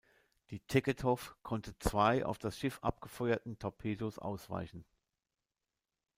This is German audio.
Die "Tegetthoff" konnte zwei auf das Schiff abgefeuerten Torpedos ausweichen.